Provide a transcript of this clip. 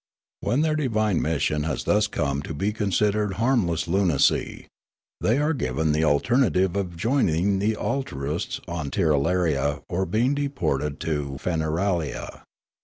When their divine mission has thus come to be considered harmless lunacy, Feneralia 295 they are given the alternative of joining the altruists on Tirralaria or being deported to Feneralia.